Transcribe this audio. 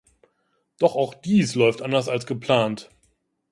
Doch auch dies läuft anders als geplant.